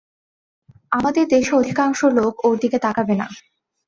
আমাদের দেশে অধিকাংশ লোক ওর দিকে তাকাবে না।